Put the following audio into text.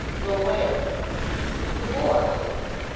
"Go where?" "To the Board."